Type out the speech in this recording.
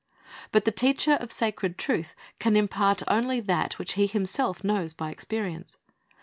But the teacher of sacred truth can impart only that which he himself knows by experience.